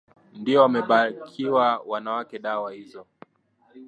ndio wamembabikia mwanawe dawa hizo